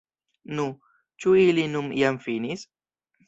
Nu, ĉu ili nun jam finis?